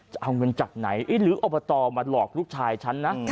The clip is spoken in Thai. จะเอาเงินจากไหนหรืออบตมาหลอกลูกชายฉันนะ